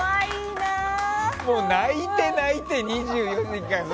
泣いて泣いて「２４時間」。